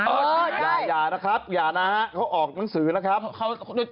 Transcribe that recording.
เอ้อได้อย่านะครับเขาออกหนังสือนะครับ